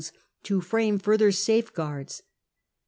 to frame further safeguards.